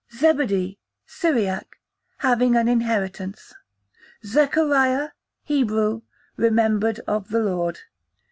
Zebedee, Syriac, having an inheritance. Zechariah, Hebrew, remembered of the Lord.